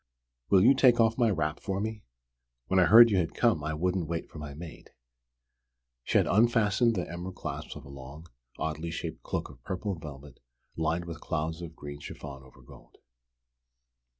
Will you take off my wrap for me? When I heard you had come I wouldn't wait for my maid." She had unfastened the emerald clasps of a long, oddly shaped cloak of purple velvet lined with clouds of green chiffon over gold.